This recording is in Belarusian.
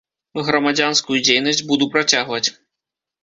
Грамадзянскую дзейнасць буду працягваць.